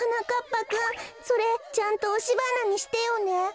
ぱくんそれちゃんとおしばなにしてよね。